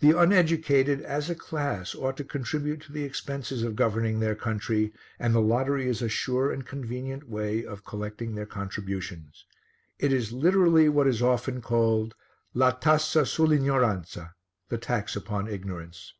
The uneducated as a class ought to contribute to the expenses of governing their country, and the lottery is a sure and convenient way of collecting their contributions. It is literally what it is often called La tassa sull' ignoranza. (The tax upon ignorance.)